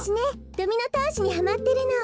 ドミノたおしにハマってるの。